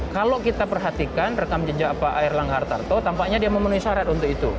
kalau kita perhatikan rekam jejak pak air langga hartarto tampaknya dia memenuhi syarat untuk itu